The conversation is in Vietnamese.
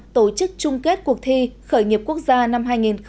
tổ chức chung kết cuộc thi khởi nghiệp quốc gia năm hai nghìn một mươi chín